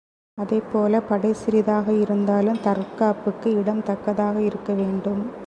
அதே போலப் படை சிறிதாக இருந்தாலும் தற்காப்புக்கு இடம் தக்கதாக இருக்க வேண்டும்.